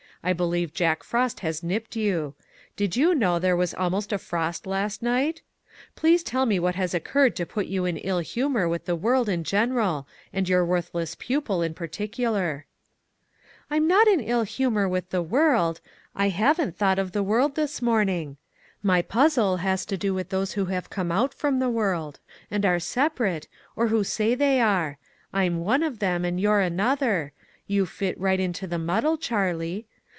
I believe Jack Frost has nipped you. Did you know there was almost a frost last night? Please tell me what has occurred to put you in ill humor with the world in general, and your worthless pupil in partic ular?" "I am not in ill humor with the world; I haven't thought of the world this morn ing. Aty puzzle has to do with those who have come out from the world and are sep arate, or who say they are ; I'm one of them and you're another; you fit right into 34 ONE COMMONPLACE DAY. the muddle, Charlie.